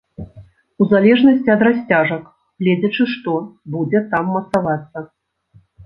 У залежнасці ад расцяжак, гледзячы што будзе там мацавацца.